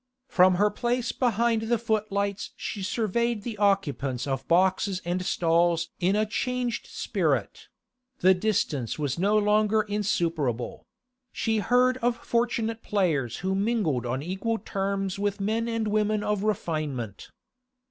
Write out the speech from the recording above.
From her place behind the footlights she surveyed the occupants of boxes and stalls in a changed spirit; the distance was no longer insuperable; she heard of fortunate players who mingled on equal terms with men and women of refinement.